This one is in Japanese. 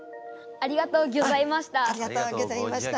ありがとうギョざいました。